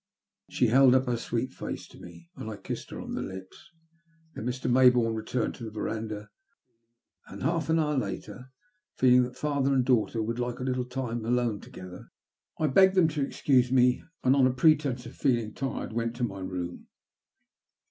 She held up her sweet face to me, and I kissed her on the lips. Then Mr. Maybonme returned to the verandah ; and, half an hour later, feeling that father SOUTH AFBICA. 2S1 and daughter would like a little time alone together before they retired to rest, I begged them to excuse me, and on a pretence of feeling tired went to my room.